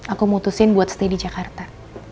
aku mutusin buat stay di jakarta